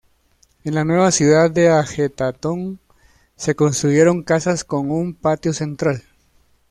En la nueva ciudad de Ajetatón se construyeron casas con un patio central.